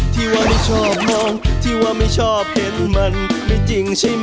ที่ว่าไม่ชอบมองที่ว่าไม่ชอบเห็นมันไม่จริงใช่ไหม